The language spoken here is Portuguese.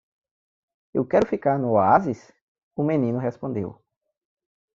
"Eu quero ficar no oásis?" o menino respondeu.